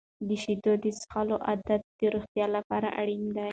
د شیدو د څښلو عادت د روغتیا لپاره اړین دی.